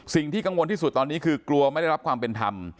สิ่งที่กังวลที่สุดตอนนี้คือกลัวไม่ได้รับความเป็นธรรม